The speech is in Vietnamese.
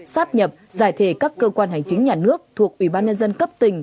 sắp nhập giải thể các cơ quan hành chính nhà nước thuộc ủy ban nhân dân cấp tỉnh